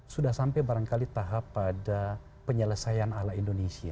sudah sampai barangkali tahap pada penyelesaian ala indonesia